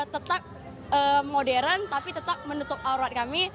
tetap modern tapi tetap menutup aurat kami